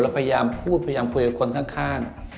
พยายามพูดพยายามคุยกับคนข้าง